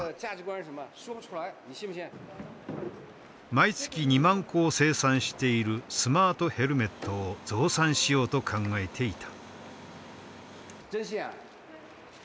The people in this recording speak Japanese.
毎月２万個を生産しているスマートヘルメットを増産しようと考えていた。